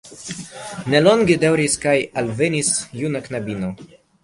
Ne longe daŭris kaj alvenis juna knabino.